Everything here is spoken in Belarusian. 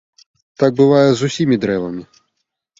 Так бывае з усімі дрэвамі.